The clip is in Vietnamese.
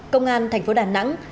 công an tp đà nẵng